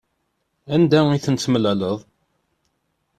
Anda i ten-tmeḍleḍ?